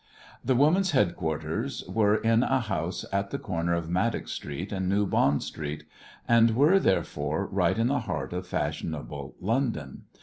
The woman's headquarters were in a house at the corner of Maddox Street and New Bond Street, and were, therefore, right in the heart of fashionable London.